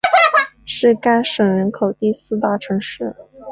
是该省人口第四大城市。